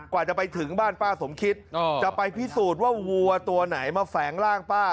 กว่าจะไปถึงบ้านป้าสมคิดจะไปพิสูจน์ว่าวัวตัวไหนมาแฝงร่างป้า